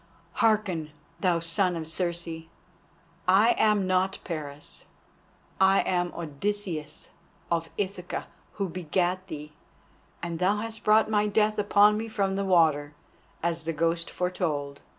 Hearken, thou son of Circe, I am not Paris, I am Odysseus of Ithaca, who begat thee, and thou hast brought my death upon me from the water, as the Ghost foretold."